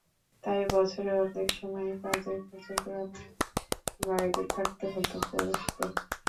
তাই বছরের অর্ধেক সময়ই কাজের খোঁজে গ্রামের বাইরে থাকতে হতো পুরুষদের।